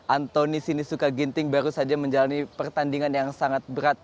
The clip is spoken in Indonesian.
antoni sinisuka ginting baru saja menjalani pertandingan yang sangat berat